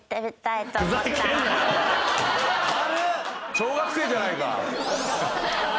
小学生じゃないか。